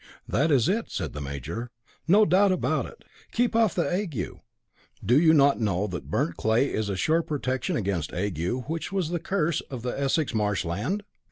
"That is it," said the major, "no doubt about it. To keep off the ague. Do you not know that burnt clay is a sure protection against ague, which was the curse of the Essex marsh land?